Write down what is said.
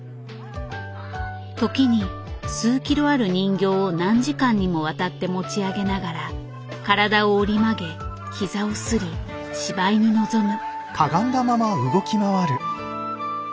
時に数キロある人形を何時間にもわたって持ち上げながら体を折り曲げ膝をすり芝居に臨む。